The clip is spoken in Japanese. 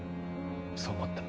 そう思った。